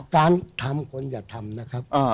การทำคนอย่าทำนะครับ